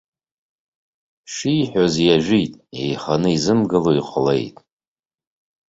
Шиҳәоз иажәит, еиханы изымгыло иҟалеит.